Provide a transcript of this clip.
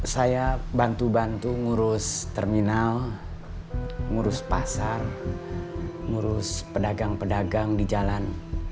saya bantu bantu ngurus terminal ngurus pasar ngurus pedagang pedagang di jalan